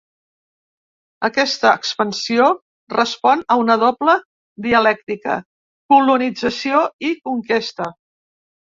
Aquesta expansió respon a una doble dialèctica: colonització i conquesta.